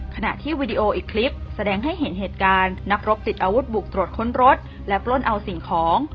ขณะที่วีดีโออีกคลิปแสดงให้เห็นเหตุการณ์นักรบติดอาวุธบุกตรวจค้นรถและปล้นเอาสิ่งของ